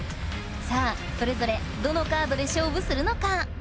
さぁそれぞれどのカードで勝負するのか？